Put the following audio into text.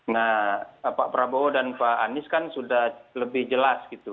nah pak prabowo dan pak anies kan sudah lebih jelas gitu